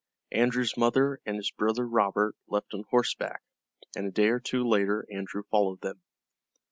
Andrew's mother and his brother Robert left on horseback, and a day or two later Andrew followed them.